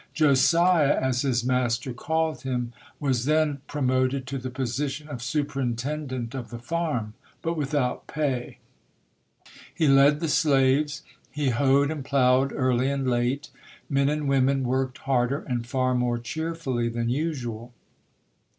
Josiah, as his master called him, was then pro moted to the position of superintendent of the farm, but without pay. He led the slaves. He hoed and plowed early and late. Men and women worked harder and far more cheerfully than usual.